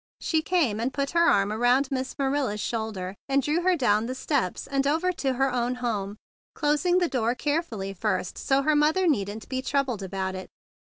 She came and put her arm around Miss Manila's shoulder, and drew her down the steps and over to her own home, closing the door carefully first so that her mother need not be troubled about it.